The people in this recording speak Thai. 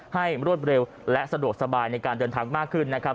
รวดเร็วและสะดวกสบายในการเดินทางมากขึ้นนะครับ